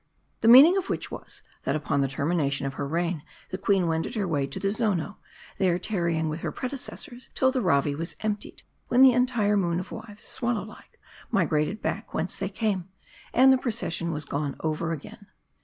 The meaning of which was, that upon the termi nation of her reign the queen wended her way to the Zono ; there tarrying with her predecessors till the Ravi was emptied ; when the entire Moon of wives, swallow like, migrated back whence they came ; and the procession was gone over again.